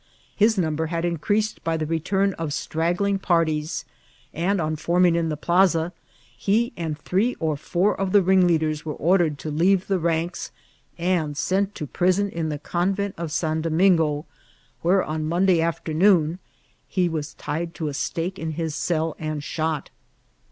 His number had increased by the return of straggling par« ties ; and on forming in the plaza he and three or torn of the ringleaders were ordered to leave the ranks, and aent to prison in the convent of Ban Domingo, where, on Monday afternoon, he was tied to a stake in his cdl end shot.